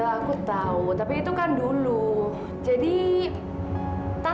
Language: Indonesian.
apa apaan itu menanggungnya